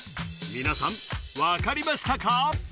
皆さん分かりましたか？